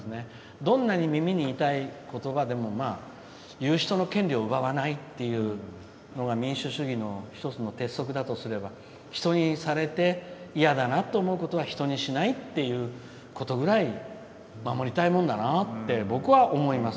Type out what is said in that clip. どんなに耳に痛いことばでも言う人の権利を奪わないっていうのが民主主義の一つの鉄則だとすれば人にされて嫌だなと思うことは人にしないっていうことぐらい守りたいものだなって僕は思います。